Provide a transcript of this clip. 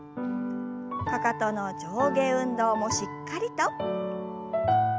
かかとの上下運動もしっかりと。